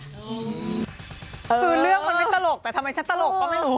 คือเรื่องมันไม่ตลกแต่ทำไมฉันตลกก็ไม่รู้